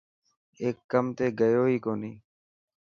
اي ڪم تي گيو هي ڪوني.